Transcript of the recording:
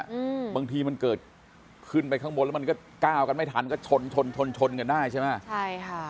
อืมบางทีมันเกิดขึ้นไปข้างบนแล้วมันก็ก้าวกันไม่ทันก็ชนชนชนชนชนกันได้ใช่ไหมใช่ค่ะ